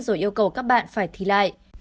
để ủng hộ các bạn phải thi lại